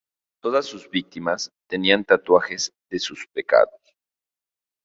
Todas sus víctimas tenían tatuajes de sus pecados.